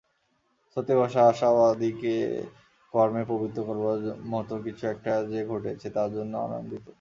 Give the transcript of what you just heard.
স্রোতে-ভাসা আশাবাদীকে কর্মে প্রবৃত্ত করবার মত কিছু একটা যে ঘটেছে, তার জন্য আনন্দিত।